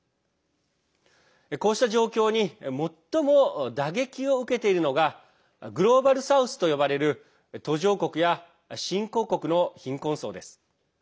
こうした状況に最も打撃を受けているのがグローバル・サウスと呼ばれる途上国や新興国の貧困層です。